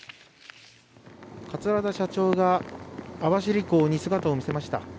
桂田社長が網走港に姿を見せました。